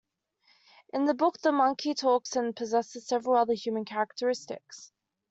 In the book, the monkey talks and possesses several other human characteristics.